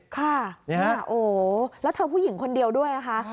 ค่ะโอ้แล้วเธอผู้หญิงคนเดียวด้วยนะคะ